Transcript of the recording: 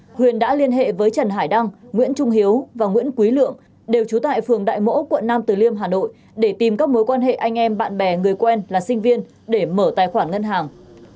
huyền đã liên hệ với trần hải đăng nguyễn trung hiếu và nguyễn quý lượng đều trú tại phường đại mỗ quận nam từ liêm hà nội để tìm các mối quan hệ anh em bạn bè người quen là sinh viên để mở tài khoản ngân hàng